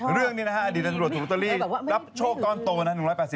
เรื่องนี้นะฮะอดีตนรวรศุลุตรีรับโชคก้อนโตนะ